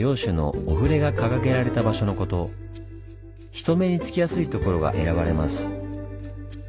人目につきやすい所が選ばれます。